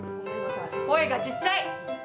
声が小っちゃい！